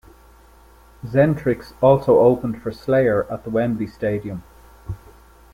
Xentrix also opened for Slayer at the Wembley Stadium.